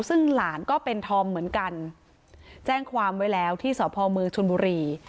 ซึ่งหลานก็เป็นธอมเหมือนกันแจ้งความไว้แล้วที่สพมชนบุรี